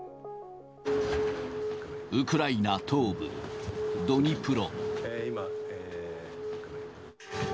ウクライナ東部、ドニプロ。